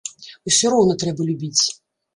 Усё роўна трэба любіць.